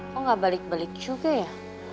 kok gak balik balik juga ya